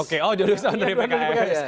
oke oh dua duanya calon dari pks